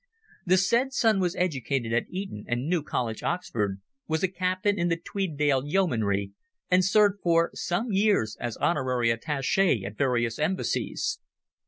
The said son was educated at Eton and New College, Oxford, was a captain in the Tweeddale Yeomanry, and served for some years as honorary attache at various embassies.